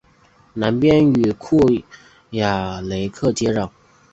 南边与库雅雷克接壤。